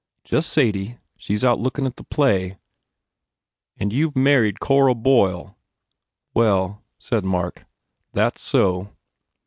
"Just Sadie. She s out lookin at the play." "And you ve married Cora Boyle?" "Well," said Mark, "that s so."